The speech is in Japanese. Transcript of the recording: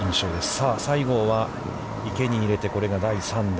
さあ西郷は、池に入れて、これが第３打。